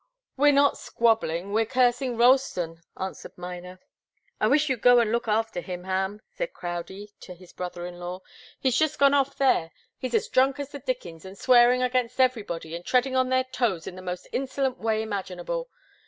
"We're not squabbling we're cursing Ralston," answered Miner. "I wish you'd go and look after him, Ham," said Crowdie to his brother in law. "He's just gone off there. He's as drunk as the dickens, and swearing against everybody and treading on their toes in the most insolent way imaginable.